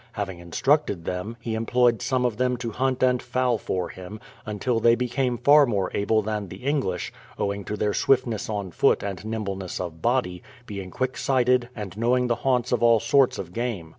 Having instructed them, he employed 196 BRADFORD'S HISTORY OF some of them to hunt and fowl for him, until they became far more able than the English, owing to their swiftness on foot and nimbleness of body, being quick sighted, and knowing the haunts of all sorts of game.